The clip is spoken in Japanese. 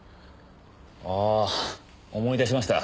ああ思い出しました。